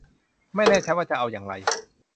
ไม่แน่ชัดว่าจะเอาอย่างไร